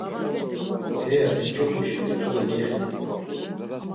Heya et̆ç̆opuşeni tude gexti.